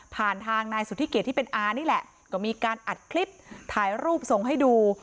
ทางนายสุธิเกียจที่เป็นอานี่แหละก็มีการอัดคลิปถ่ายรูปส่งให้ดู